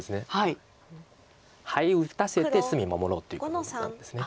ハイ打たせて隅守ろうっていうことなんです。